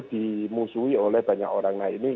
dimusuhi oleh banyak orang nah ini